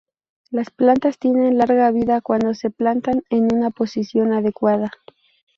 Las plantas tienen larga vida cuando se plantan en una posición adecuada.